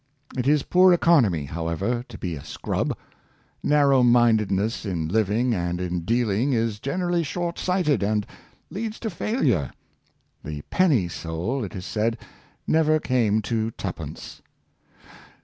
It is poor economy, however, to be a scrub. Narrow mindedness in living and in dealing is gener ally short sighted, and leads to failure. The penny soul, it is said never came to twopence.